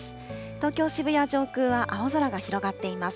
東京・渋谷上空は、青空が広がっています。